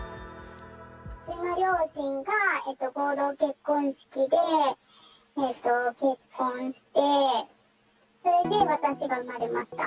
うちの両親が合同結婚式で結婚して、それで私が生まれました。